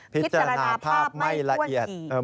พิจารณภาพไม่ท่วนถี่